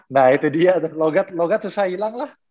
nah itu dia logat susah hilang lah